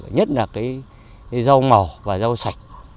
nhất là cái rau màu và rau sạch